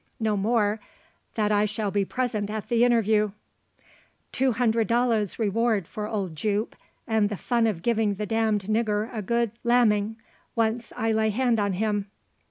No more, that I shall be present at the interview. Two hundred dollars reward for old Jupe, and the fun of giving the damned nigger a good `lamming,' once I lay hand on him.